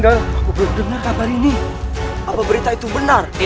kau tidak akan percaya begitu saja